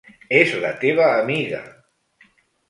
És la teva amiga!